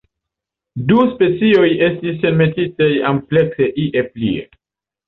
Du specioj estis enmetitaj amplekse ie plie.